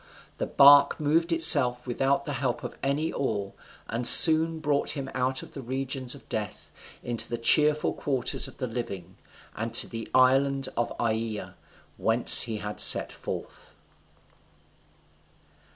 The bark moved of itself without the help of any oar, and soon brought him out of the regions of death into the cheerful quarters of the living, and to the island of Aeaea, whence he had set forth.